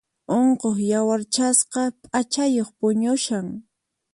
Unquq yawarchasqa p'achayuq puñushan.